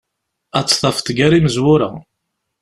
Ad tt-tafeḍ gar imezwura.